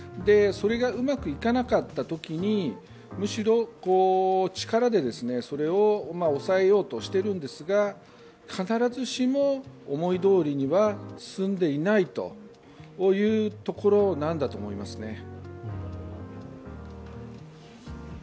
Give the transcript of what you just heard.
それがうまくいかなかったときに、むしろ力でそれを抑えようとしているんですが、必ずしも思いどおりには進んでいないというところなんだと思いますね。